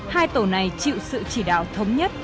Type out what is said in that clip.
hai tổ này chịu sự chỉ đạo thống nhất